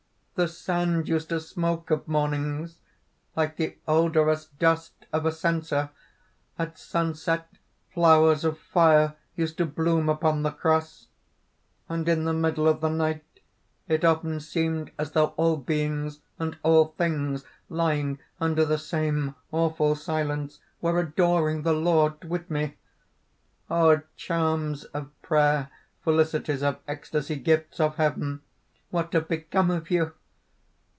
"The sand used to smoke of mornings like the odourous dust of a censer; at sunset flowers of fire used to bloom upon the cross; and in the middle of the night, it often seemed as though all beings and all things, lying under the same awful silence, were adoring the Lord with me. O charms of prayer, felicities of ecstasy, gifts of heaven, what have become of you?